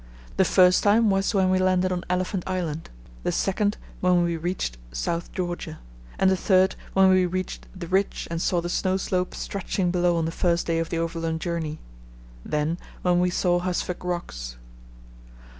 The first time was when we landed on Elephant Island, the second when we reached South Georgia, and the third when we reached the ridge and saw the snow slope stretching below on the first day of the overland journey, then when we saw Husvik rocks.